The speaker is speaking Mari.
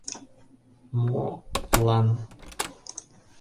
— Мо...лан?